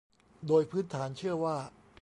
โดยพื้นฐานเชื่อว่า